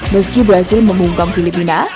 meski berhasil memungkam filipina